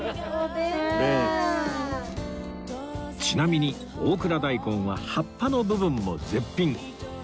ちなみに大蔵大根は葉っぱの部分も絶品